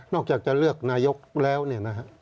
นอกจากจะเลือกนายกแล้วนะครับ